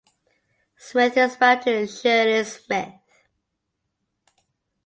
Smith is married to Shirley Smith.